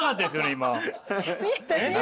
今。